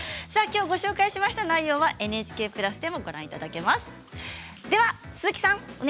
きょうご紹介した内容はＮＨＫプラスでもご覧いただけます。